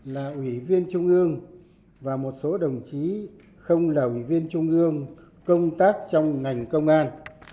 là ủy viên trung ương và một số đồng chí không là ủy viên trung ương công tác trong ngành công an